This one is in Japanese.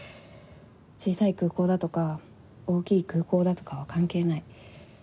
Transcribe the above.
小さい空港だとか大きい空港だとかは関係ない。